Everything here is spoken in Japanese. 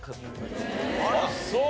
あっそう！